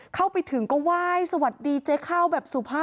เข้าไปถึงก็ไหว้สวัสดีเจ๊ข้าวแบบสุภาพ